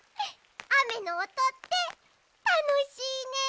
あめのおとってたのしいね。